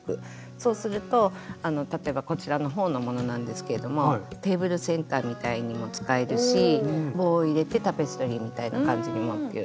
そうすると例えばこちらの方のものなんですけどもテーブルセンターみたいにも使えるし棒を入れてタペストリーみたいな感じにもという。